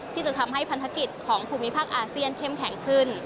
ที่จะทำให้พันธกิจของภูมิภาคอาเซียนเข้มแข็งขึ้น